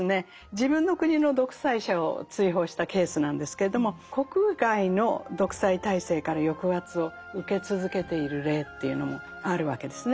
自分の国の独裁者を追放したケースなんですけれども国外の独裁体制から抑圧を受け続けている例というのもあるわけですね。